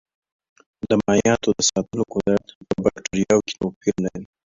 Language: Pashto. د مایعاتو د ساتلو قدرت په بکټریاوو کې توپیر لري.